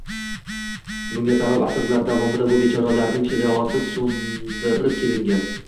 Bunga sabab asrlar davomida bu bechoralarning shijoati so‘ndirib kelingan.